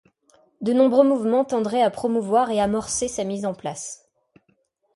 De nombreux mouvements tendraient à promouvoir et à amorcer sa mise en place.